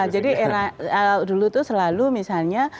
jadi dulu itu selalu misalnya